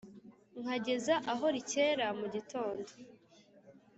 Nkageza aho rikera mugitondo